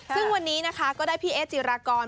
ซึ่งวันนี้นะคะก็ได้พี่เอ๊จิรากร